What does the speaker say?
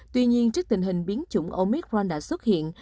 tuy nhiên trước tình hình biến chủng omicran đã xuất hiện